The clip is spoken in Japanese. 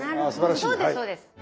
そうですそうです。